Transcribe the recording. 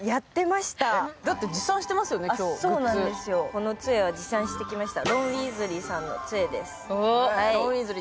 このつえは持参してきました。